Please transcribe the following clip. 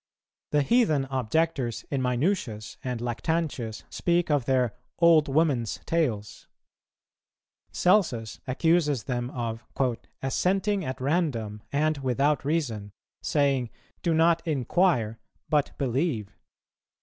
The heathen objectors in Minucius and Lactantius speak of their "old woman's tales."[228:2] Celsus accuses them of "assenting at random and without reason," saying, "Do not inquire, but believe."